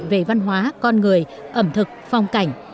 về văn hóa con người ẩm thực phong cảnh